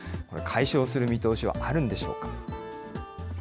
解消する見通しはあるんでしょうか。